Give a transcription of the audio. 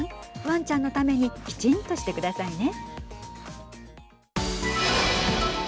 ワンちゃんのためにきちんとしてくださいね。